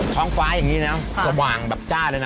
ท้องฟ้าอย่างนี้นะสว่างแบบจ้าเลยนะ